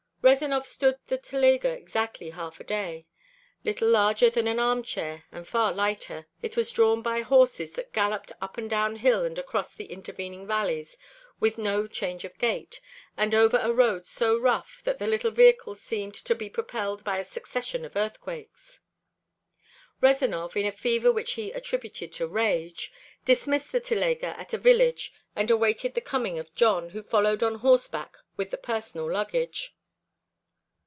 Rezanov stood the telega exactly half a day. Little larger than an armchair and far lighter, it was drawn by horses that galloped up and down hill and across the intervening valleys with no change of gait, and over a road so rough that the little vehicle seemed to be propelled by a succession of earthquakes. Rezanov, in a fever which he attributed to rage, dismissed the telega at a village and awaited the coming of Jon, who followed on horseback with the personal luggage.